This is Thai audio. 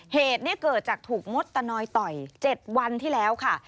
เหตุนี้เกิดจากถูกมดตะนอยต่อย๗วันที่แล้วค่ะ